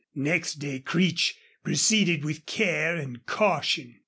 Next day Creech proceeded with care and caution.